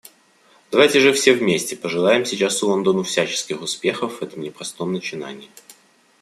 Давайте же все вместе пожелаем сейчас Лондону всяческих успехов в этом непростом начинании.